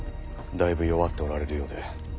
だいぶ弱っておられるようで。